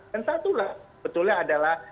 dan satulah betulnya adalah